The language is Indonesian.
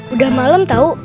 udah malem tau